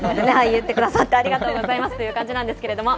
言ってくださってありがとうございますという感じなんですけれども。